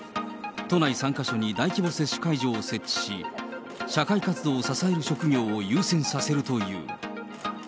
都内３か所に大規模接種会場を設置し、社会活動を支える職業を優先させるという。